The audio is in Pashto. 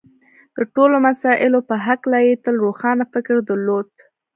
د ټولو مسألو په هکله یې تل روښانه فکر درلود